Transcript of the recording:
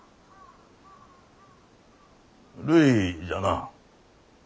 るいじゃな？